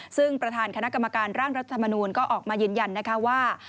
ซึ่งประธานคณะกรรมการร่างรัฐมนูลก็ออกมายืนยันนะคะว่า